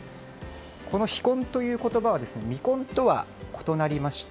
この非婚という言葉は未婚とは異なりまして